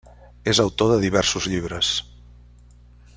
És autor de diversos llibres.